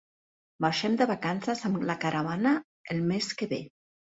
Marxem de vacances amb la caravana el mes que ve